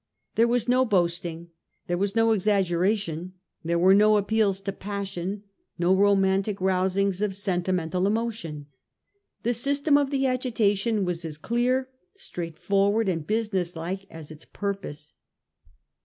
There was no boasting ; there was no exaggeration ; there were no appeals to passion ; no romantic rousings of sen timental emotion. The system of the agitation was as clear, straightforward and business like as its pur pose.